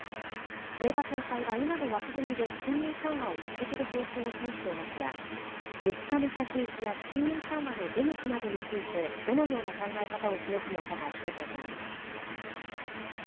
植田総裁は今の枠組みで金融緩和を続ける方針を示していますが、物価の先行きや金融緩和の出口などについて、どのような考え方を示すのかが焦点となります。